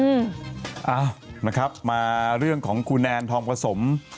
เอามาครับมาเรื่องของครูแนนทอมกระสม